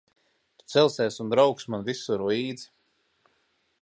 Tu celsies un brauksi man visur līdzi.